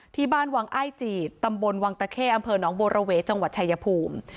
ที่บ้านวังอ้ายจีดตำบลวังตะเข้อำเภอหนองบัวระเวจังหวัดชายภูมิ